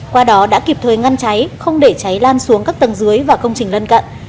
qua đó đã kịp thời ngăn cháy không để cháy lan xuống các tầng dưới và công trình lân cận